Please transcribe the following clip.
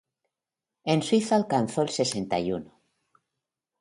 En Suiza alcanzó el sesenta y uno.